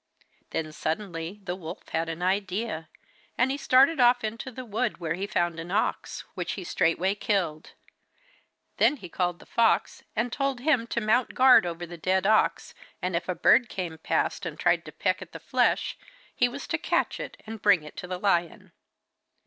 Then suddenly the wolf had an idea, and he started off into the wood, where he found an ox, which he straightway killed. Then he called the fox, and told him to mount guard over the dead ox, and if a bird came past and tried to peck at the flesh he was to catch it and bring it to the lion.